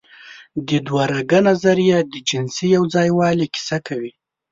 د دوهرګه نظریه د جنسي یوځای والي کیسه کوي.